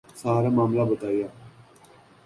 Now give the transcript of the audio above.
سارا معاملہ بتایا۔